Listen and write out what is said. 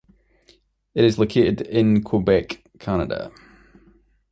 It is located in Quebec, Canada.